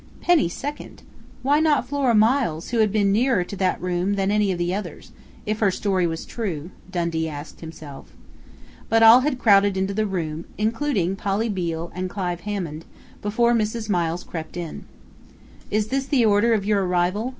Penny second! Why not Flora Miles, who had been nearer to that room than any of the others, if her story was true Dundee asked himself. But all had crowded into the room, including Polly Beale and Clive Hammond, before Mrs. Miles crept in. "Is this the order of your arrival?"